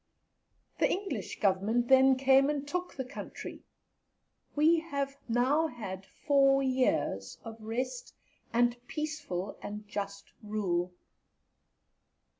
The English Government then came and took the country; we have now had four years of rest, and peaceful and just rule.